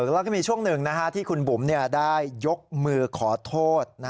แล้วก็มีช่วงหนึ่งที่คุณบุ๋มได้ยกมือขอโทษ